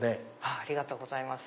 ありがとうございます。